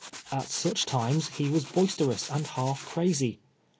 At such times he was boisterous and half crazy.